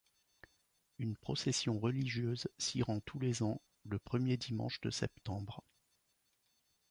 Une procession religieuse s'y rend tous les ans, le premier dimanche de septembre.